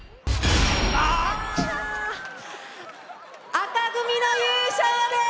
紅組の優勝です！